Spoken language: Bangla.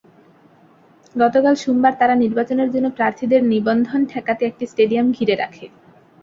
গতকাল সোমবার তারা নির্বাচনের জন্য প্রার্থীদের নিবন্ধন ঠেকাতে একটি স্টেডিয়াম ঘিরে রাখে।